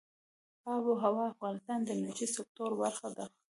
آب وهوا د افغانستان د انرژۍ د سکتور برخه ده.